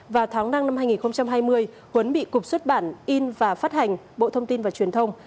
vào tháng năm năm hai nghìn hai mươi quấn bị cục xuất bản in và phát hành bộ thông tin và truyền thông